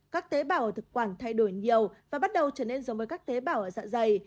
các tế bào ở thực quản thay đổi nhiều và bắt đầu trở nên giống với các tế bào ở dạ dày